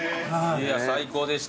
いや最高でした。